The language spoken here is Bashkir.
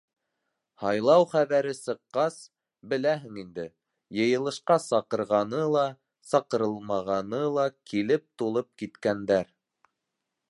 Һайлау хәбәре сыҡҡас, беләһең инде, йыйылышҡа саҡырылғаны ла, саҡырылмағаны ла килеп тулып киткәндәр.